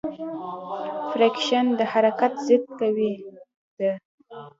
فریکشن د حرکت ضد قوې ده.